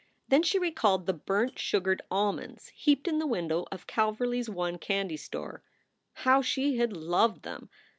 Then she recalled the burnt sugared almonds heaped in the window of Calverly s one candy store. How she had loved them!